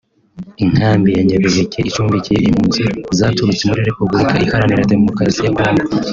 Inkambi ya Nyabiheke icumbikiye impunzi zaturutse muri Repubulika Iharanira Demokarasi ya Congo